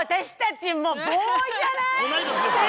同い年ですから。